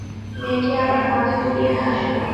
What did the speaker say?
মেয়েটি আবার মাথা দুলিয়ে হাসল।